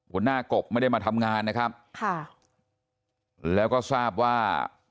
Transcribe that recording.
กบไม่ได้มาทำงานนะครับค่ะแล้วก็ทราบว่า